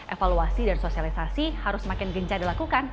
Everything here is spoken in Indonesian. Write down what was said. evaluasi dan sosialisasi harus semakin gencar dilakukan